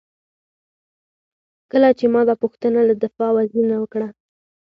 کله چې ما دا پوښتنه له دفاع وزیر نه وکړه.